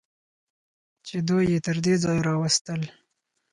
چې دوی یې تر دې ځایه راوستل.